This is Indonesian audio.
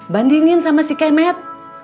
bandingin sama si kemet